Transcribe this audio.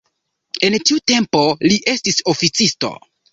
En tiu tempo li estis oficisto.